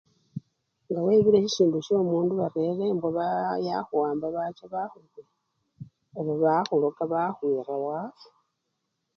Nga webile sisindu syomundu barera embwa yaa! yakhuwamba bacha bakhubowa oba bakhuloka bakhwuira wafwa.